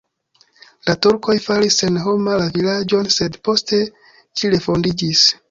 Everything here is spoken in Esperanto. La turkoj faris senhoma la vilaĝon, sed poste ĝi refondiĝis.